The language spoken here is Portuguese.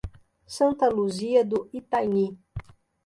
Santa Luzia do Itanhi